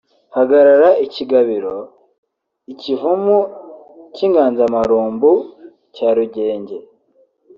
Hagaragara ikigabiro (ikivumu cy’inganzamarumbu) cya Rugenge